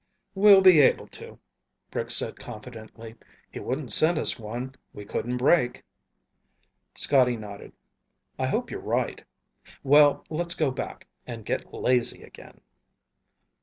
"We'll be able to," Rick said confidently. "He wouldn't send us one we couldn't break." Scotty nodded. "I hope you're right. Well, let's go back and get lazy again."